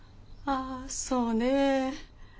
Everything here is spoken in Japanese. あそうね。